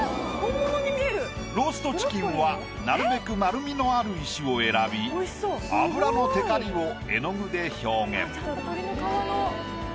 ローストチキンはなるべく丸みのある石を選び脂のてかりを絵の具で表現。